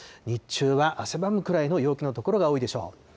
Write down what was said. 日中は汗ばむくらいの陽気の所が多いでしょう。